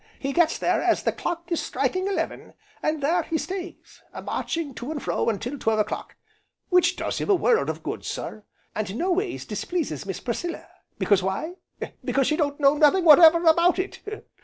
He gets there as the clock is striking eleven, and there he stays, a marching to and fro, until twelve o'clock. Which does him a world o' good, sir, and noways displeases Miss Priscilla, because why? because she don't know nothing whatever about it."